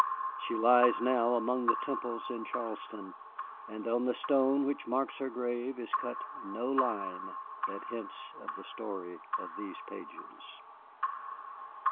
She lies now among the Temples in Charleston, and on the stone which marks her grave is cut no line that hints of the story of these pages.